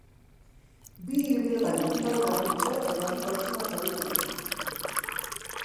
Bi ibilgailuk talka egin dute eta bi pertsona zauritu dira.